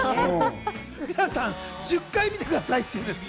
皆さん１０回見てくださいと。